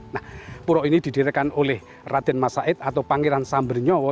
nah pura ini didirikan oleh raden masaid atau pangeran sambernyowo